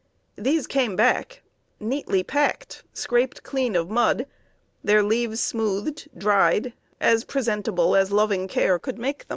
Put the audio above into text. These came back neatly packed, scraped clean of mud, their leaves smoothed, dried, as presentable as loving care could make them.